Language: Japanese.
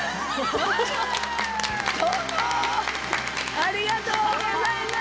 ありがとうございます！